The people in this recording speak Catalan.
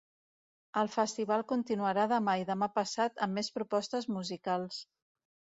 El festival continuarà demà i demà passat amb més propostes musicals.